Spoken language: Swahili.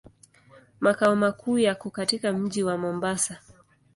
Makao makuu yako katika mji wa Mombasa.